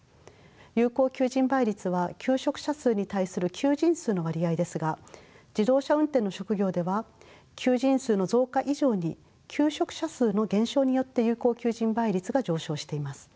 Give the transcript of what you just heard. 有効求人倍率は求職者数に対する求人数の割合ですが自動車運転の職業では求人数の増加以上に求職者数の減少によって有効求人倍率が上昇しています。